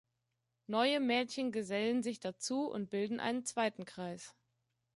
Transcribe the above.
Neue Mädchen gesellen sich dazu und bilden einen zweiten Kreis.